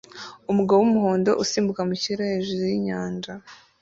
umugabo wumuhondo usimbuka mu kirere hejuru yinyanja